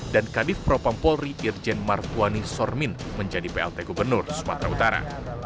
dan kadif propam polri irjen marfwani sormin menjadi plt gubernur sumatera utara